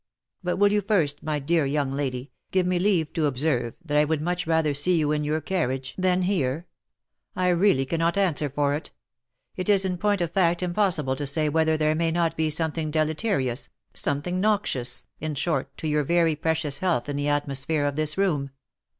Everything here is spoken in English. But will you first, my dear young lady, give me leave to observe that I would much rather see you in your carriage OF MICHAEL ARMSTRONG. 135 than here. I really cannot answer for it. It is in point of fact im possible to say whether there may not be something deleterious, some thing noxious, in short, to your very precious health in the atmosphere of this room."